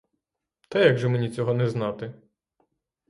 Та як же мені цього не знати?